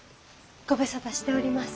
ご無沙汰しております。